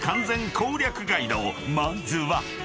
［まずは］